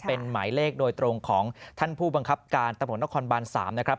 เป็นหมายเลขโดยตรงของท่านผู้บังคับการตำรวจนครบาน๓นะครับ